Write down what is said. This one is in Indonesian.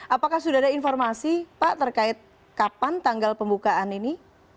apakah sudah ada informasi pak terkait kapan tanggal pembukaan ini